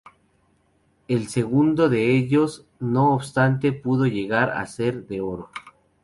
El segundo de ellos, no obstante, pudo llegar a ser de oro.